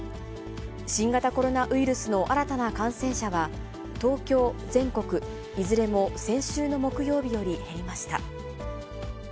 新型コロナウイルスの新たな感染者は、東京、全国いずれも先週の木曜日より減りました。